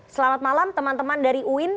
selamat malam teman teman dari uin